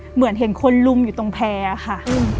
เหมือนเห็นคนลุมอยู่ตรงแพร่ค่ะ